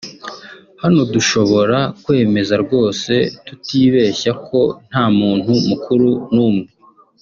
Hano dushobora kwemeza rwose tutibeshya ko nta muntu mukuru n’umwe